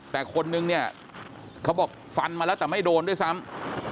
แต่คนนึงเนี่ยเขาบอกฟันมาแล้วแต่ไม่โดนด้วยซ้ำ